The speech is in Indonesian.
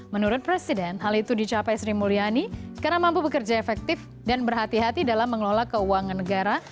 menurut presiden hal itu dicapai sri mulyani karena mampu bekerja efektif dan berhati hati dalam mengelola keuangan negara